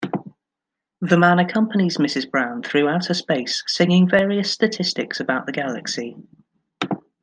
The man accompanies Mrs. Brown through outer space singing various statistics about the galaxy.